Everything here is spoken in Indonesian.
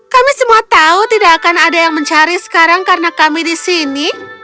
kami semua tahu tidak akan ada yang mencari sekarang karena kami di sini